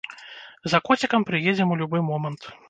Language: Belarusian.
За коцікам прыедзем у любы момант!